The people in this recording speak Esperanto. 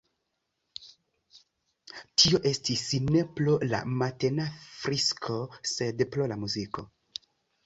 Tio estis ne pro la matena frisko, sed pro la muziko.